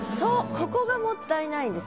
ここがもったいないんです。